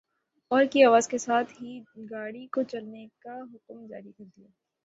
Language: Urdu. اور کی آواز کے ساتھ ہی گاڑی کو چلنے کا حکم جاری کر دیا ۔